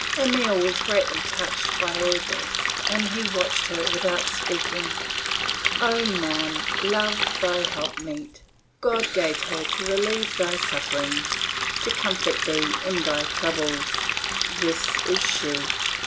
Emile was greatly touched by all this and he watched her without speaking. O man, love thy helpmeet. God gave her to relieve thy sufferings, to comfort thee in thy troubles. This is she!